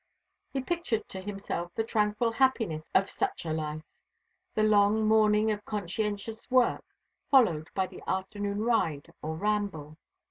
He pictured to himself the tranquil happiness of such a life. The long morning of conscientious work, followed by the afternoon ride or ramble.